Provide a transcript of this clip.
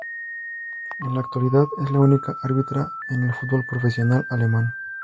En la actualidad es la única árbitra en el fútbol profesional alemán.